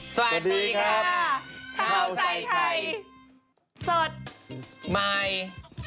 สวัสดีครับข้าวใส่ใครสดก็ได้ครับ